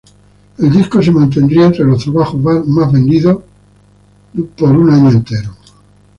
El disco se mantendría entre los trabajos más vendidos por un año entero.